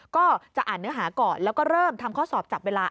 ก็จะอ่านเนื้อหาก่อนแล้วก็เริ่มทำข้อสอบจับเวลา